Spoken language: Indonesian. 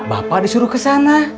bapak disuruh ke sana